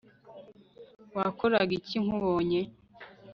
Wakoraga iki nkubonye